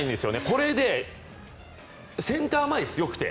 これでセンター前ですよよくて。